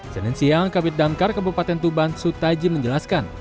senin siang kabinet damkar kebupatan tuban sutaji menjelaskan